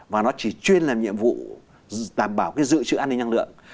và nó chỉ chuyên làm nhiệm vụ đảm bảo cái dự trữ an ninh năng lượng